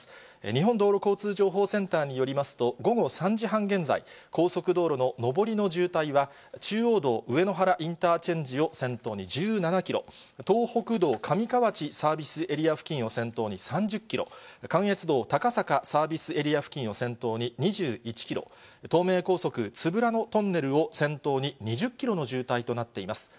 日本道路交通情報センターによりますと、午後３時半現在、高速道路の上りの状態は、中央道上野原インターチェンジを先頭に１７キロ、東北道上河内サービスエリア付近を先頭に３０キロ、関越道高坂サービスエリア付近を先頭に２１キロ、東名高速都夫良野トンネルを先頭に２０キロの渋滞となっています。